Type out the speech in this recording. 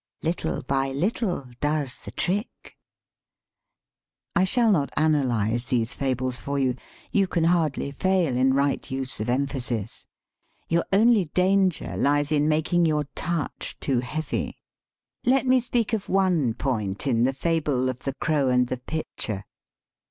" Little by little does the trick." I shall not analyze these fables for you. You can hardly fail in right use of emphasis. Your only danger lies in making your touch too heavy. Let me speak of one point in the fable of "The Crow and the Pitcher."